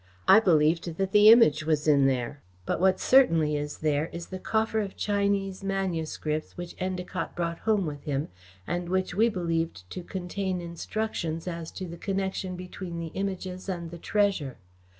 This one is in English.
I believed that the Image was in there, but what certainly is there is the coffer of Chinese manuscripts which Endacott brought home with him, and which we believed to contain instructions as to the connection between the Images and the treasure.